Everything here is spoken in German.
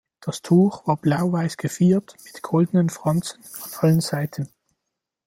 Das Tuch war blau-weiß geviert mit goldenen Franzen an allen Seiten.